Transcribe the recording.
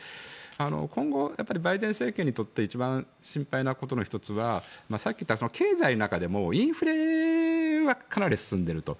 今後、バイデン政権にとって一番心配なことの１つは経済の中でもインフレがかなり進んでいると。